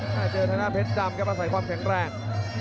ถ้าเจอทางหน้าเผ็ดดำก็มาใส่ความแข็งแรง